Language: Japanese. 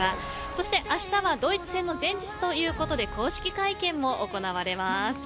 そしてあしたはドイツ戦の前日ということで公式会見も行われます。